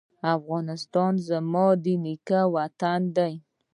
افغانستان زما د نیکه وطن دی